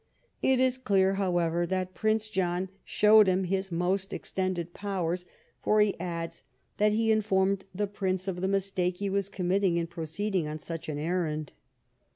It is clear, however, that Prince John showed him his more extended powers ; for, he adds, that he informed the Prince of the mistake he was com mitting in proceeding on such an errand.